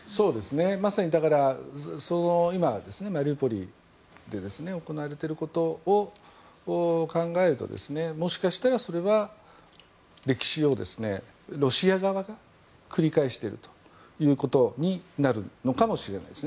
まさに今、マリウポリで行われていることを考えると、もしかしたらそれは歴史をロシア側が繰り返しているということになるのかもしれません。